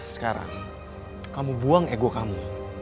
sekarang kamu buang ego kamu